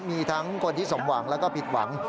มีทั้งคนที่สมหวังแล้วก็ผิดหวัง